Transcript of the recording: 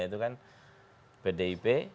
itu kan pdip